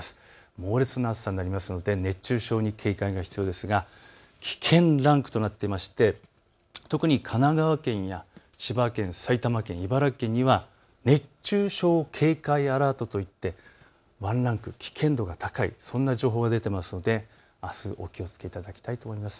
猛烈な暑さになりますので熱中症に警戒が必要ですが危険ランクとなっていまして特に神奈川県や千葉県、埼玉県茨城県には熱中症警戒アラートといってワンランク危険度が高い、そんな情報が出ていますのであす、お気をつけいただきたいと思います。